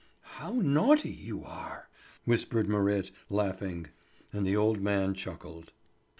"How naughty you are!" whispered Marit, laughing; and the old man chuckled.